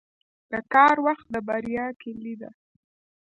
• د کار وخت د بریا کلي ده.